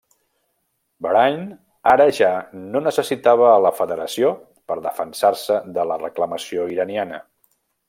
Bahrain ara ja no necessitava a la Federació per defensar-se de la reclamació iraniana.